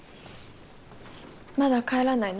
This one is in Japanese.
まだ帰らないの？